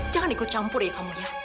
jangan ikut campur ya kamu ya